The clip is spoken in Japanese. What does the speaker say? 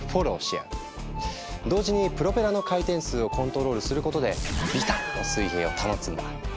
同時にプロペラの回転数をコントロールすることでビタッと水平を保つんだ。